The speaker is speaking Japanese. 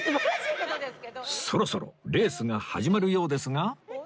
そろそろレースが始まるようですが